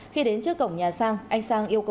khi đến trước cổng nhà sang anh sang yêu cầu